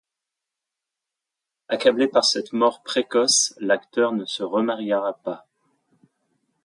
Accablé par cette mort précoce, l'acteur ne se remariera plus.